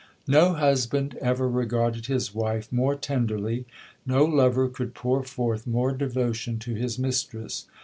No husband ever regarded his wife more tenderly, no lover could pour forth more devotion to his mistress.